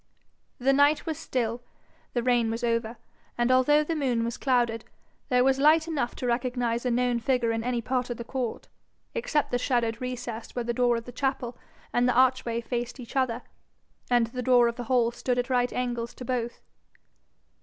The night was still, the rain was over, and although the moon was clouded, there was light enough to recognise a known figure in any part of the court, except the shadowed recess where the door of the chapel and the archway faced each other, and the door of the hall stood at right angles to both.